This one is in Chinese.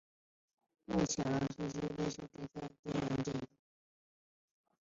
目前阿劳是瑞士足球超级联赛的参赛球队之一。